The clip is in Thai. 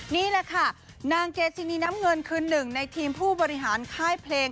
นี่แหละค่ะนางเกจินีน้ำเงินคือหนึ่งในทีมผู้บริหารค่ายเพลง